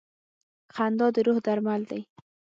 • خندا د روح درمل دی.